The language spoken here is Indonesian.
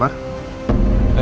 pak irfan apa kabar